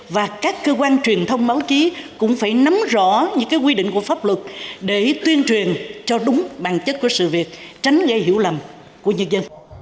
và các cơ quan truyền thông báo chí cũng phải nắm rõ những quy định của pháp luật để tuyên truyền cho đúng bản chất của sự việc tránh gây hiểu lầm của nhân dân